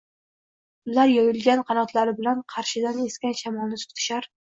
Ular yoyilgan qanotlari bilan qarshidan esgan shamolni tutishar